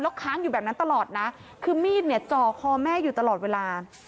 ค้างอยู่แบบนั้นตลอดนะคือมีดเนี่ยจ่อคอแม่อยู่ตลอดเวลา